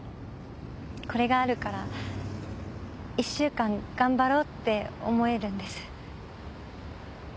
これがあるから１週間頑張ろうって思えるんです。